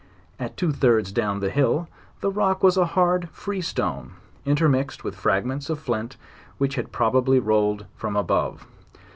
At two thirds down the hill, the rock was a hard free stone, in termixed with fragments of flint which had probably rolkd from abive.